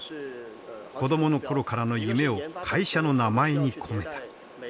子供の頃からの夢を会社の名前に込めた。